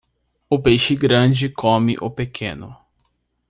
O peixe grande come o pequeno.